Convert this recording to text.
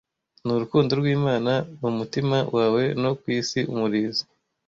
N'urukundo rw'Imana mu mutima wawe no ku isi umurizo,